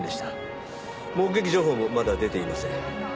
目撃情報もまだ出ていません。